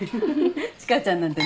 千佳ちゃんなんてね